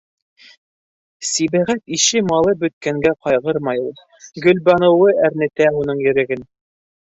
Сибәғәт ише малы бөткәнгә ҡайғырмай ул: Гөлбаныуы әрнетә уның йөрәген.